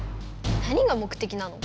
何が目的なの？